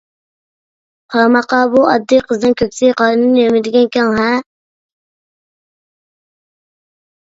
قارىماققا بۇ ئاددىي قىزنىڭ كۆكسى-قارنى نېمىدېگەن كەڭ-ھە!